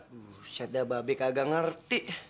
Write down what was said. buset dah babe kagak ngerti